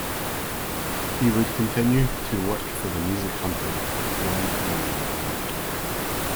He would continue to work for the music company one morning a week.